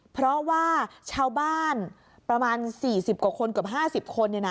เพราะว่าชาวบ้านประมาณ๔๐กว่าคนเกือบ๕๐คน